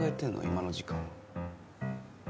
今の時間は。